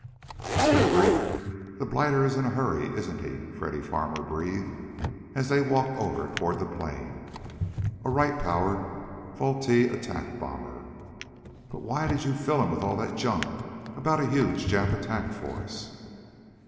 "Good grief, the blighter is in a hurry, isn't he?" Freddy Farmer breathed as they walked over toward the plane, a Wright powered Vultee attack bomber. "But why did you fill him with all that junk about a huge Jap attack force?"